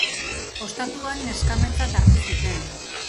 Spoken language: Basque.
Ostatuan neskametzat hartu zuten.